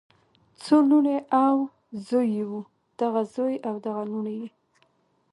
څو لوڼې او زوي یې وو دغه زوي او دغه لوڼو یی